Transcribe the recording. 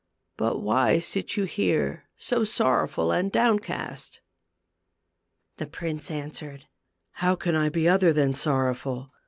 But why sit you here so sorrowful and downcast ?" The prince answered, " How can I be other than sorrowful